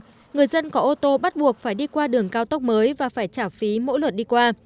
vì vậy người dân có ô tô bắt buộc phải đi qua đường cao tốc mới và phải trả phí mỗi lượt đi qua